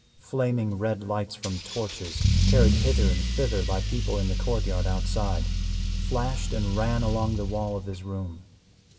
Flaming red lights from torches, carried hither and thither by people in the court yard outside, flashed and ran along the wall of his room.